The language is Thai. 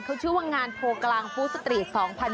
เขาชื่อว่างานโพกลางฟู้สตรีท๒๐๑๖